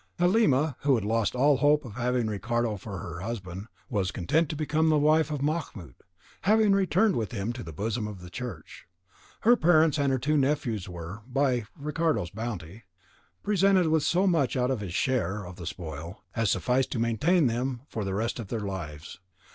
Halima, who had lost all hope of having Ricardo for her husband, was content to become the wife of Mahmoud, having returned with him to the bosom of the church. Her parents and her two nephews were, by Ricardo's bounty, presented with so much out of his share of the spoil as sufficed to maintain them for the rest of their lives.